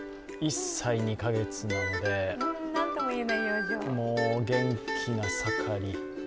１歳２か月なのでもう元気な盛り。